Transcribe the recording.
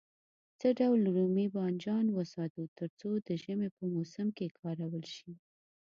څه ډول رومي بانجان وساتو تر څو د ژمي په موسم کې کارول شي.